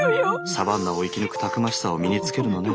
サバンナを生き抜くたくましさを身につけるのね。